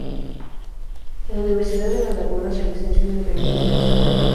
En la Universidad de La Laguna se licenció en Periodismo e Historia.